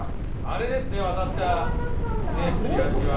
あれですね渡った吊橋は。